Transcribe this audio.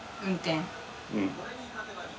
うん。